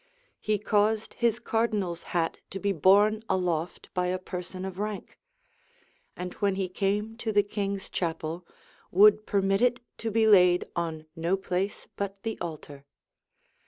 [] He caused his cardinal's hat to be borne aloft by a person of rank; and when he came to the king's chapel, would permit it to be laid on no place but the altar.